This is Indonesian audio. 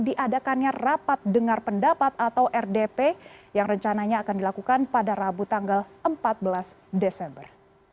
diadakannya rapat dengar pendapat atau rdp yang rencananya akan dilakukan pada rabu tanggal empat belas desember